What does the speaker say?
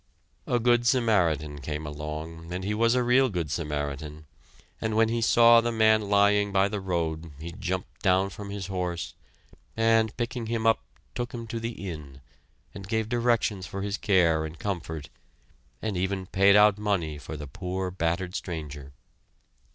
A good Samaritan came along, and he was a real good Samaritan, and when he saw the man lying by the road he jumped down from his horse, and picking him up, took him to the inn, and gave directions for his care and comfort, even paid out money for the poor battered stranger.